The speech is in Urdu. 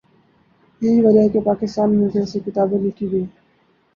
یہی وجہ ہے کہ پاکستان میں ویسی کتابیں لکھی گئیں۔